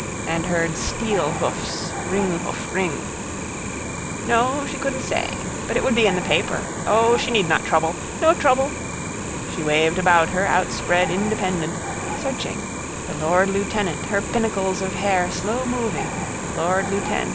And heard steelhoofs ringhoof ring. No, she couldn't say. But it would be in the paper. O, she need not trouble. No trouble. She waved about her outspread Independent, searching, the lord lieutenant, her pinnacles of hair slowmoving, lord lieuten.